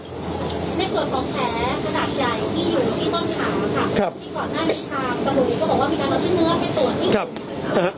ในส่วนของแผลขนาดใหญ่ที่อยู่ที่ต้องหาครับครับ